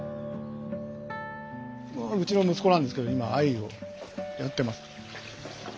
うちの息子なんですけど今藍をやってます。